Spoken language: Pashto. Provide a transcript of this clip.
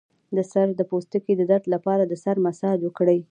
د سر د پوستکي د درد لپاره د سر مساج وکړئ